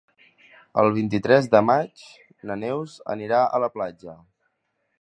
El vint-i-tres de maig na Neus anirà a la platja.